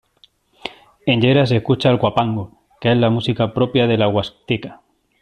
En Llera se escucha el huapango, que es la música propia de la huasteca.